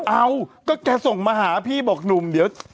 เอาก็แกส่งมาหาพี่บอกหนุ่มเดี๋ยว